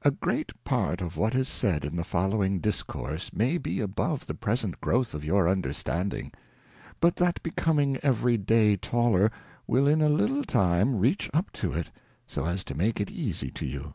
A great part of what is said in the following Discourse may be above the present growth of your Understanding ; but that becoming every day taller, will in a little time reach up to it, so as to make it easie to you.